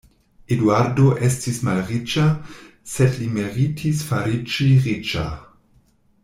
Eduardo estis malriĉa; sed li meritis fariĝi riĉa.